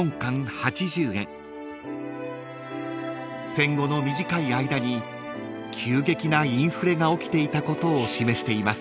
［戦後の短い間に急激なインフレが起きていたことを示しています］